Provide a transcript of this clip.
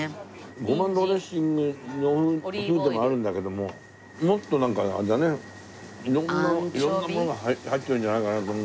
ゴマドレッシングのふうでもあるんだけどももっとなんかあれだね色んなものが入ってるんじゃないかな。